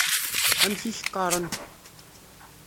Amek i k-qqaren?